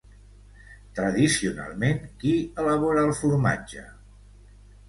Tradicionalment qui elabora el formatge?